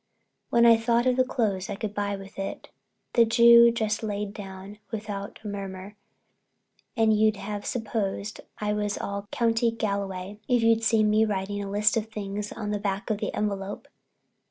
When I thought of the clothes I could buy with it, the Jew just lay down without a murmur and you'd have supposed I was all County Galway if you'd seen me writing a list of things on the back of the envelope.